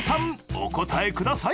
お答えください